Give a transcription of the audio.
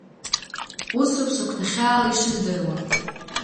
Усоуп, сыхәҭаахьала ишыздыруа!